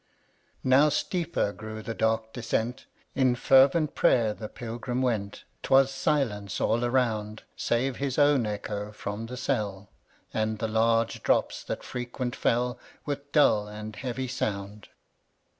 11. Now steeper grew the dark descent; In fervent prayer the Pilgrim went ; 'Twas silence all around. Save his own echo from the cell. And the large drops that frequent fell With dull and heavy sound.